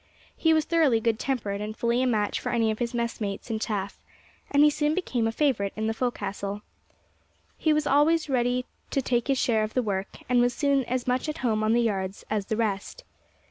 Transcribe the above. He was thoroughly good tempered, and fully a match for any of his messmates in chaff, and he soon became a favourite in the fo'castle. He was always ready to take his share of the work, and was soon as much at home on the yards as the rest.